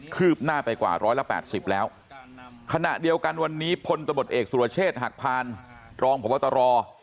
ืบหน้าไปกว่าร้อยละแปดสิบแล้วขณะเดียวกันวันนี้พลตำรวจเอกสุรเชษฐ์หักพานรองพบตร